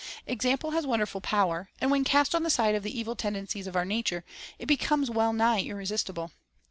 Example has wonderful power; and when cast on the side of the evil tendencies of our nature, it becomes well nigh irresistible.